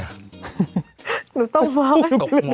หนูต้องหอม